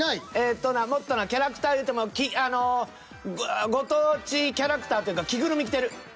もっとなキャラクターっていってもあのご当地キャラクターっていうか着ぐるみ着てる。